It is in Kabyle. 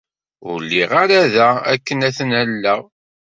Ur lliɣ ara da akken ad ten-alleɣ.